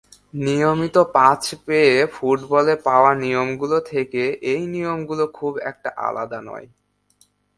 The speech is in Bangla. নিয়মিত পাঁচ-পেয়ে ফুটবলে পাওয়া নিয়মগুলো থেকে এই নিয়মগুলো খুব একটা আলাদা নয়।